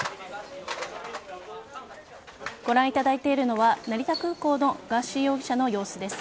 ご覧いただいているのは成田空港のガーシー容疑者の様子です。